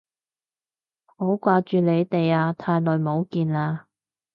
好掛住你哋啊，太耐冇見喇